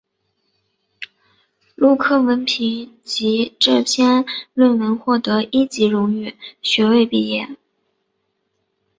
陆克文凭藉这篇论文获得一级荣誉学位毕业。